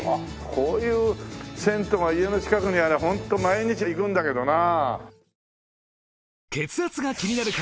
こういう銭湯が家の近くにありゃホント毎日行くんだけどな。